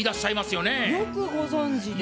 よくご存じで。